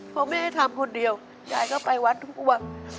เพราะแม่ทำคนเดียวยายก็ไปวัดทุกวัน